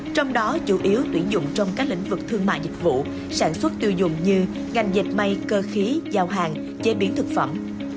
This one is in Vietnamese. trong đó chủ yếu tuyển dụng trong các lĩnh vực thương mại dịch vụ sản xuất tiêu dùng như ngành dịch may cơ khí giao hàng chế biến thực phẩm